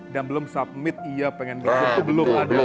dan belum submit iya pengen berikut